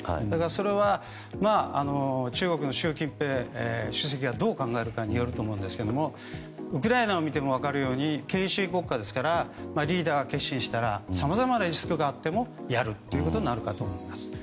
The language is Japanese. それは中国の習近平主席がどう考えるかによると思いますがウクライナを見ても分かるように権威主義国家ですからリーダーが決心したらさまざまなリスクがあってもやるということになるかと思います。